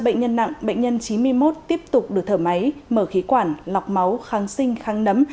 bệnh nhân nặng bệnh nhân chín mươi một tiếp tục được thở máy mở khí quản lọc máu kháng sinh kháng nấm